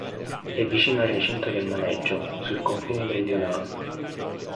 È vicino al recinto del maneggio, sul confine meridionale.